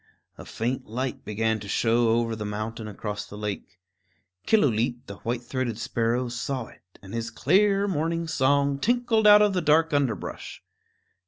A faint light began to show over the mountain across the lake. Killooleet, the white throated sparrow, saw it, and his clear morning song tinkled out of the dark underbrush.